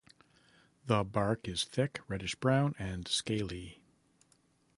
The bark is thick, reddish-brown, and scaly.